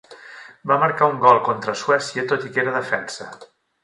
Va marcar un gol contra Suècia, tot i que era defensa.